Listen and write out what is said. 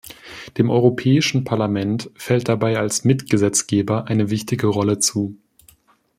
Dem Europäischen Parlament fällt dabei als Mitgesetzgeber eine wichtige Rolle zu.